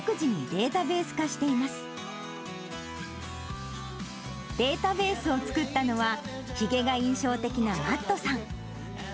データベースを作ったのは、ひげが印象的なマットさん。